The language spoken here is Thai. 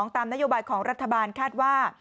ตามนโยบายของรัฐบาลคาดว่า